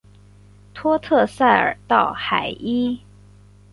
托特塞尔道海伊。